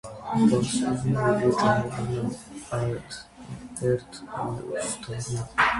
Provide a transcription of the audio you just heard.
- Բաս ուզում էիր, որ ջահելանա՞մ, հերդ լուս դառնա: